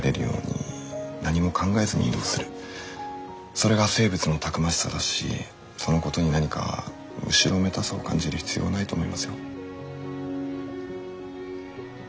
それが生物のたくましさだしそのことに何か後ろめたさを感じる必要はないと思いますよ。